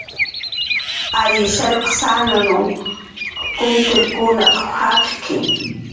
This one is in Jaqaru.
Ary shallqsananw kuntirkunaq jakki